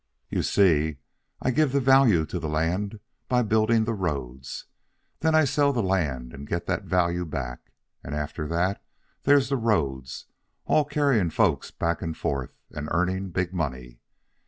"You see, I give the value to the land by building the roads. Then I sell the land and get that value back, and after that, there's the roads, all carrying folks back and forth and earning big money.